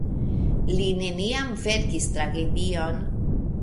Li neniam verkis tragedion.